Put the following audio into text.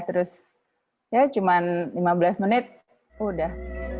terus ya cuma lima belas menit udah